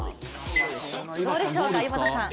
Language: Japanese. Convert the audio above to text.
どうでしょうか、井端さん。